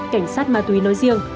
cảnh sát ma túy nói riêng